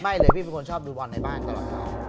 ไม่เลยพี่เป็นคนชอบดูบอลในบ้านตลอด